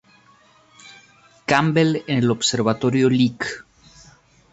Campbell en el Observatorio Lick.